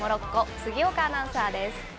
杉岡アナウンサーです。